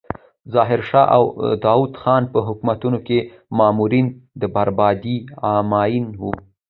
د ظاهر شاه او داود خان په حکومتونو کې مامورین د بربادۍ عاملین وو.